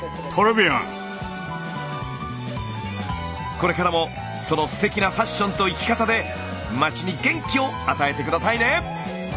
これからもそのすてきなファッションと生き方で街に元気を与えて下さいね！